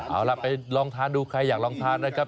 เอาล่ะไปลองทานดูใครอยากลองทานนะครับ